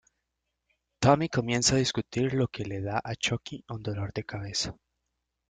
Tommy comienza a discutir, lo que le da a Chuckie un dolor de cabeza.